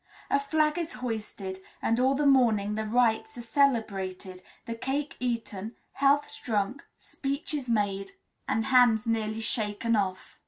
A flag is hoisted, and all the morning the rites are celebrated, the cake eaten, healths drunk, speeches made, and hands nearly shaken off.